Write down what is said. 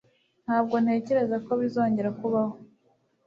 Ntabwo ntekereza ko bizongera kubaho.